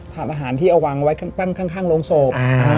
อาหารที่เอาวางไว้ตั้งข้างโรงศพ